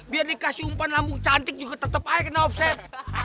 biar dikasih umpan lambung cantik juga tetep aja kena offset